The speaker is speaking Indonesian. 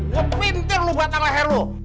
gua pintir lu batang leher lu